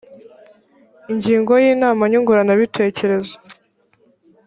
ingingo ya inama nyunguranabitekerezo